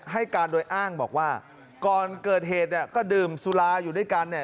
ให้การโดยอ้างบอกว่าก่อนเกิดเหตุเนี่ยก็ดื่มสุราอยู่ด้วยกันเนี่ย